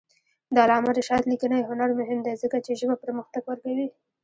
د علامه رشاد لیکنی هنر مهم دی ځکه چې ژبه پرمختګ ورکوي.